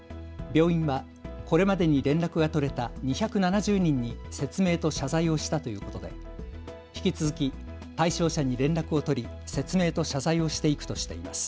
病院はこれまでに連絡が取れた２７０人に説明と謝罪をしたということで引き続き対象者に連絡を取り説明と謝罪をしていくとしています。